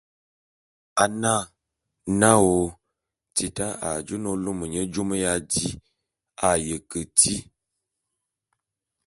A na, naôô ! Tita a jô na ô lôme nye jôme ya di a ye keti.